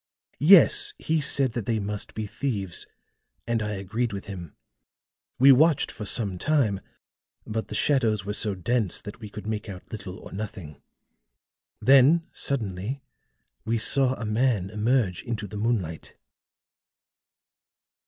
Yes, he said that they must be thieves, and I agreed with him. We watched for some time, but the shadows were so dense that we could make out little or nothing. Then suddenly we saw a man emerge into the moonlight."